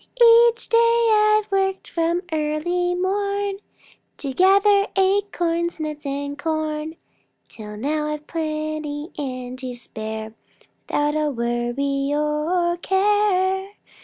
Each day I've worked from early morn To gather acorns, nuts, and corn, Till now I've plenty and to spare Without a worry or a care.